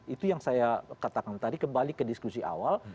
itu yang saya katakan tadi kembali ke diskusi awal